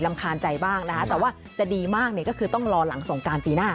แต่ว่าจะดีมากก็คือต้องรอหลังศงการปีหน้า